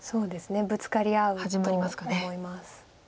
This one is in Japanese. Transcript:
ぶつかり合うと思います。